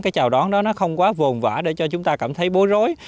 cái chào đón đó nó không quá vồn vã để cho chúng ta cảm thấy bố rối